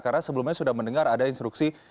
karena sebelumnya sudah mendengar ada instruksi